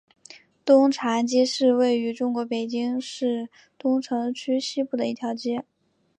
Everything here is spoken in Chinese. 东长安街是位于中国北京市东城区西部的一条街。